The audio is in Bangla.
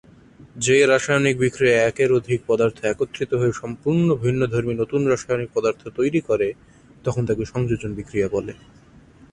যে রাসায়নিক বিক্রিয়ায় একের অধিক পদার্থ একত্রিত হয়ে সম্পূর্ণ ভিন্নধর্মী নতুন রাসায়নিক পদার্থ তৈরি করে তখন তাকে সংযোজন বিক্রিয়া বলে।